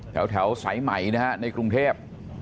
แถวสายใหม่นะฮะในกรุงเทพ